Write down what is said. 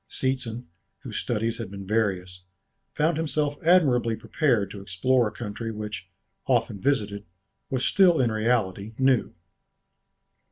Seetzen, whose studies had been various, found himself admirably prepared to explore a country which, often visited, was still in reality new.